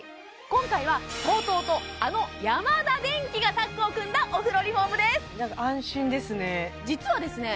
今回はＴＯＴＯとあのヤマダデンキがタッグを組んだお風呂リフォームですなんか安心ですね実はですね